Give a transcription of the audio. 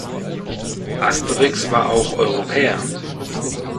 Asterix war auch Europäer.